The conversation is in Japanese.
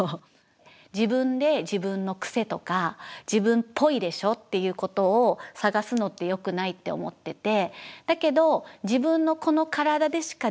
自分で自分の癖とか自分っぽいでしょっていうことを探すのってよくないって思ってて。